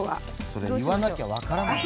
それ言わなきゃ分からない！